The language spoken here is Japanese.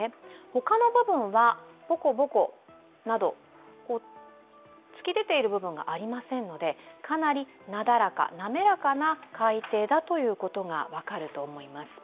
ほかの部分はボコボコなど突き出ている部分がありませんのでかなり滑らかな海底だということが分かると思います。